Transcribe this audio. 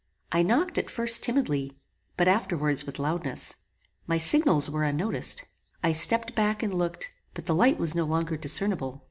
I knocked at first timidly, but afterwards with loudness. My signals were unnoticed. I stepped back and looked, but the light was no longer discernible.